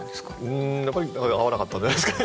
うんやっぱり合わなかったんじゃないですか。